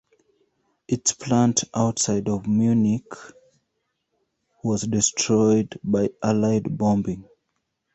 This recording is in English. Its plant outside of Munich was destroyed by Allied bombing.